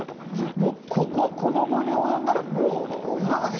もうこここの期に及んだらもう信長でしょう。